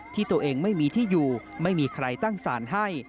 ที่ตัวเองไม่มีที่อยู่ไม่มีใครตั้งสารให้